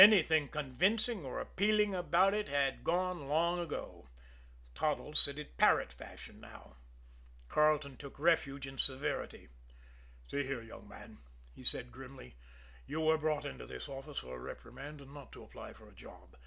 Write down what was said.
Anything convincing or appealing about it had gone long ago Toddles said it parrot fashion now. Carleton took refuge in severity. "See here, young man," he said grimly, "you were brought into this office for a reprimand and not to apply for a job!